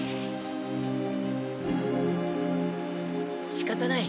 しかたない。